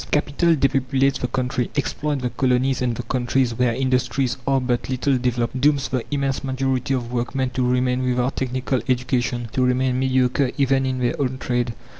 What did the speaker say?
Capital depopulates the country, exploits the colonies and the countries where industries are but little developed, dooms the immense majority of workmen to remain without technical education, to remain mediocre even in their own trade.